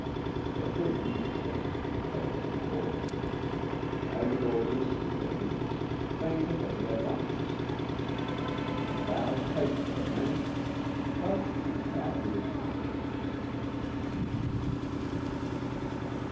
Their children may yet be pale summer boarders; as the boarders, city bred weeds, may take over their farms. From the plough to the pavement goes man, but to the plough he returns at last.